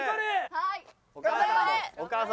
はい。